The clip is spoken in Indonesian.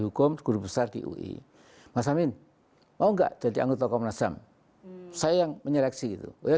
hukum guru besar di ui mas amin mau nggak jadi anggota komnas ham saya yang menyeleksi itu ya